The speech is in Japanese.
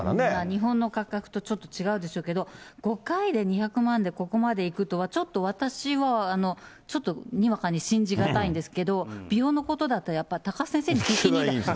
日本の価格とちょっと違うでしょうけど、５回で２００万でここまでいくとは、ちょっと私は、ちょっとにわかに信じ難いんですけれども、美容のことだとやっぱり、高須先生に聞きに行ったら。